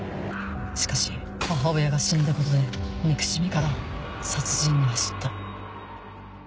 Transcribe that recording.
しかし母親が死んだことで憎しみから殺人に走った。